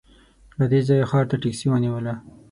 له دې ځايه ښار ته ټکسي ونیوله.